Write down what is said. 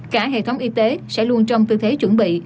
cả hệ thống y tế sẽ luôn trong tư thế chuẩn bị